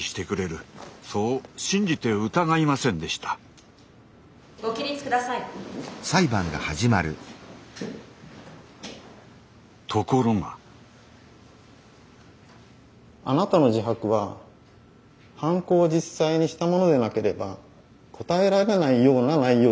あなたの自白は犯行を実際にした者でなければ答えられないような内容ですね。